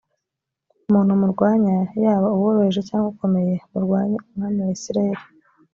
umuntu murwanya yaba uworoheje cyangwa ukomeye murwanye umwami wa isirayeli